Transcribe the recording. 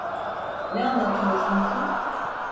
Ne anlatıyorsun sen?